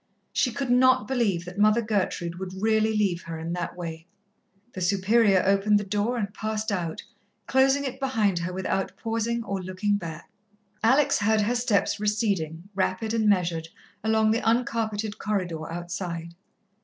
She could not believe that Mother Gertrude would really leave her in that way. The Superior opened the door and passed out, closing it behind her without pausing or looking back. Alex heard her steps receding, rapid and measured, along the uncarpeted corridor outside.